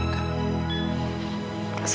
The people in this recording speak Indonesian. saya dengar pak